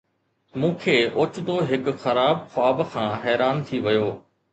مون کي اوچتو هڪ خراب خواب کان حيران ٿي ويو